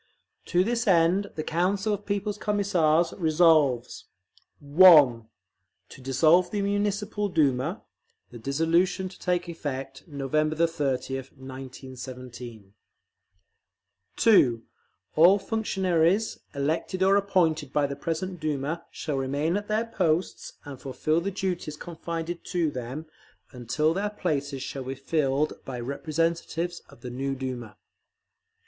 To this end the Council of People's Commissars resolves: (1) To dissolve the Municipal Duma; the dissolution to take effect November 30th, 1917. (2) All functionaries elected or appointed by the present Duma shall remain at their posts and fulfil the duties confided to them, until their places shall be filled by representatives of the new Duma.